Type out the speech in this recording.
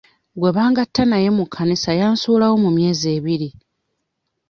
Gwe bangatta naye mu kkanisa yansuulawo mu myezi ebiri.